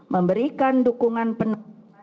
memberikan dukungan penumpang